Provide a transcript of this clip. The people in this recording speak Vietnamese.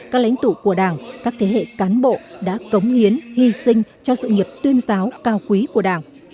các lãnh tụ của đảng các thế hệ cán bộ đã cống hiến hy sinh cho sự nghiệp tuyên giáo cao quý của đảng